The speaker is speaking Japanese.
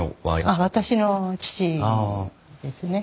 あっ私の父ですね。